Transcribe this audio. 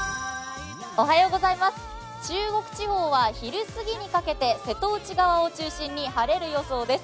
中国地方は昼すぎにかけて瀬戸内側を中心に晴れる予想です。